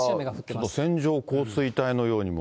これがちょっと線状降水帯のようにも。